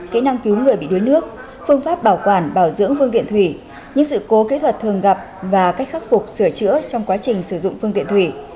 kỹ năng cứu người bị đuối nước phương pháp bảo quản bảo dưỡng phương tiện thủy